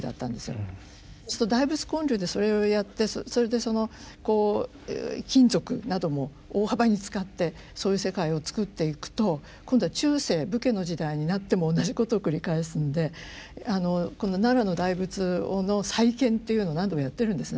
そうすると大仏建立でそれをやってそれでその金属なども大幅に使ってそういう世界を作っていくと今度は中世武家の時代になっても同じことを繰り返すんでこの奈良の大仏の再建っていうのを何度もやってるんですね。